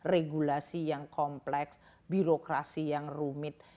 regulasi yang kompleks birokrasi yang rumit